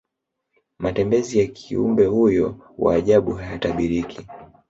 matembezi ya kiumbe huyo wa ajabu hayatabiriki